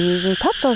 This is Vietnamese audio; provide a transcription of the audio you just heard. thì thấp thôi